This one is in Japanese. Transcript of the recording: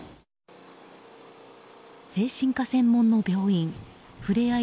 精神科専門の病院ふれあい